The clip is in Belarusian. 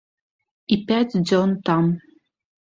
І пяць дзён там.